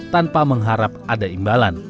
tanpa mengharap ada imbalan